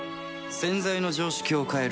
洗剤の常識を変える